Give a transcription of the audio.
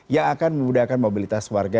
yang akan memudahkan mobilitas warga